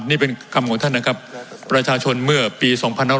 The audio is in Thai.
นี่เป็นคำของท่านนะครับประชาชนเมื่อปี๒๕๖๒